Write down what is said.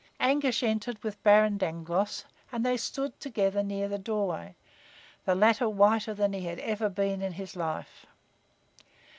Anguish entered with Baron Dangloss and they stood together near the doorway, the latter whiter than he had ever been in his life.